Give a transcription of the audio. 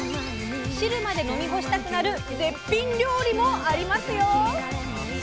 汁まで飲み干したくなる絶品料理もありますよ！